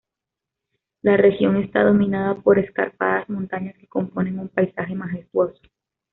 La región está dominada por escarpadas montañas que componen un paisaje majestuoso.